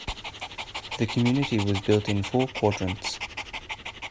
The community was built in four quadrants.